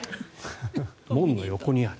門の横にある。